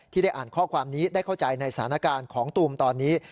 ได้อ่านข้อความนี้ได้เข้าใจในสถานการณ์ของตูมตอนนี้